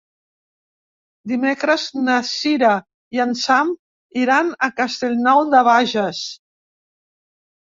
Dimecres na Cira i en Sam iran a Castellnou de Bages.